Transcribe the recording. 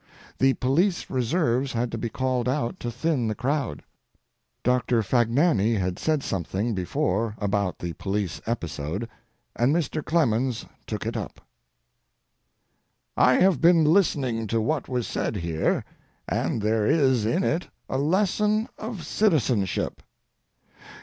The police reserves had to be called out to thin the crowd. Doctor Fagnani had said something before about the police episode, and Mr. Clemens took it up. I have been listening to what was said here, and there is in it a lesson of citizenship.